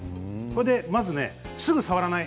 まずね、すぐ触らない。